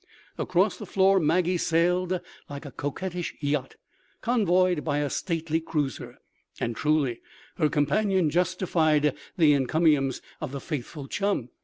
Across the floor Maggie sailed like a coquettish yacht convoyed by a stately cruiser. And truly, her companion justified the encomiums of the faithful chum.